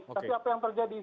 tapi apa yang terjadi